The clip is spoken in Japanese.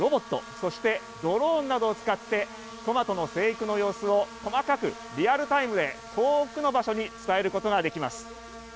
そして、ドローンなどを使ってトマトの生育の様子を細かくリアルタイムで遠くの場所に伝えることができます。